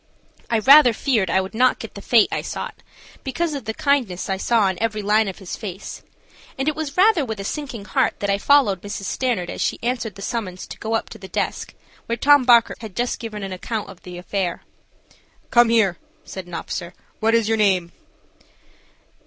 I rather feared I would not get the fate I sought, because of the kindness I saw on every line of his face, and it was with rather a sinking heart that I followed Mrs. Stanard as she answered the summons to go up to the desk, where Tom Bockert had just given an account of the affair. "Come here," said an officer. "What is your name?"